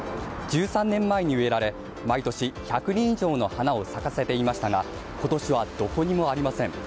１３年前に植えられ毎年１００輪以上の花を咲かせていましたが今年はどこにもありません。